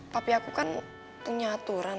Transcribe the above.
tapi aku kan punya aturan